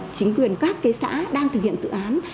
chính quyền các xã đang thực hiện dự án